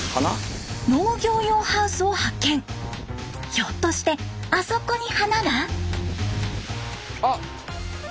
ひょっとしてあそこに花が？